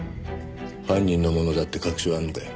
犯人のものだって確証はあるのかよ？